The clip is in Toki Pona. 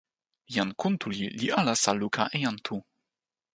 jan Kuntuli li alasa luka e jan Tu.